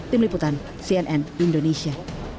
tim liputan cnn indonesia